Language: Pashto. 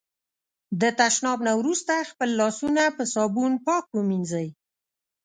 د تشناب نه وروسته خپل لاسونه په صابون پاک ومېنځی.